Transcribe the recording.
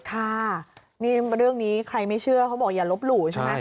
ค่ะนี่เรื่องนี้ใครไม่เชื่อเขาบอกอย่าลบหลู่ใช่ไหม